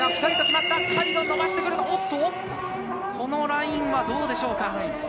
このラインはどうでしょうか？